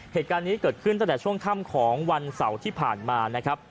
เหตุการณ์นี้เกิดขึ้นตั้งแต่ช่วงค่ำของวันเสาร์ที่ผ่านมานะครับ